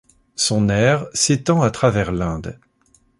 Son aire s'étend à travers l'Inde.